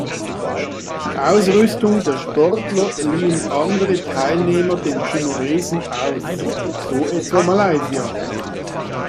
Die Ausrüstung der Sportler liehen andere Teilnehmer den Timoresen aus, so etwa Malaysia.